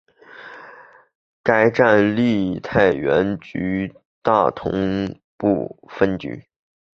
该站隶属太原铁路局大同铁路分局。